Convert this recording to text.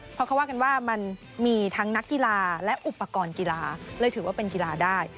เพราะเขาว่ากันว่ามันมีทั้งนักกีฬาและอุปกรณ์กีฬาเลยถือว่าเป็นกีฬาได้